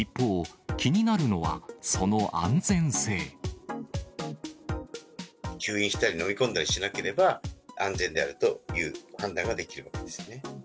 一方、吸引したり、飲み込んだりしなければ安全であるという判断ができるわけですね。